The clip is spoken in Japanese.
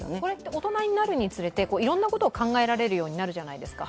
大人になるにつれて、いろんなことを考えられるようになるじゃないですか。